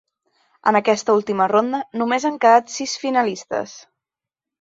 En aquesta última ronda, només han quedat set finalistes.